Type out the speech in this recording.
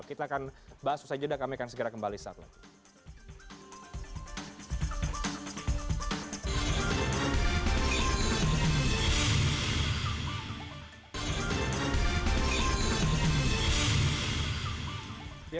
kita akan bahas usai jeda kami akan segera kembali saat lain